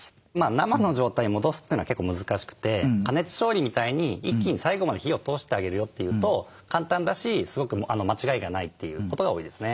生の状態に戻すというのは結構難しくて加熱調理みたいに一気に最後まで火を通してあげるよっていうと簡単だしすごく間違いがないということが多いですね。